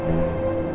kamu itu gak pantas